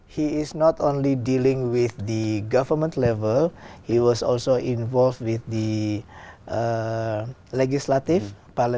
tôi rất tự hào khi đạt được một mươi triệu usd trong tổ chức giá trị gần là một mươi